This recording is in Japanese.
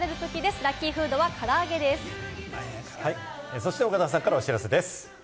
そして、岡田さんからお知らせです。